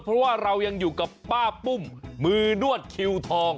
เพราะว่าเรายังอยู่กับป้าปุ้มมือนวดคิวทอง